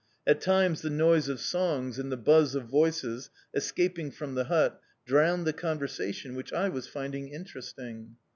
At times the noise of songs and the buzz of voices, escaping from the hut, drowned the conversation which I was finding interesting.